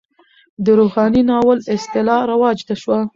د روحاني ناول اصطلاح رواج شوه.